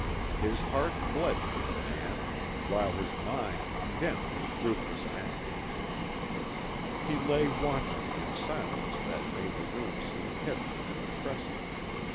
His heart bled for the man, while his mind condemned his ruthless actions. He lay watching in a silence that made the room seem heavy and oppressive.